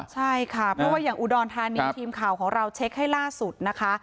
ใช่ค่ะเพราะว่าอย่างอุดรธานีทีมข่าวของเราเช็คให้ล่าสุดนะคะ